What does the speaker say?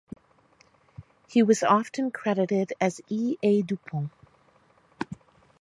He was often credited as E. A. Dupont.